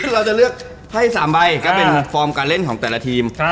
คือเราจะเลือกให้๓ใบก็เป็นฟอร์มการเล่นของแต่ละทีม